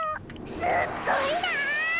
すっごいな！